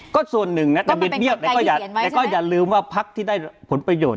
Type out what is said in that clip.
ก็ส่วนหนึ่งนะแต่บิดเบี้ยแต่ก็อย่าลืมว่าพักที่ได้ผลประโยชน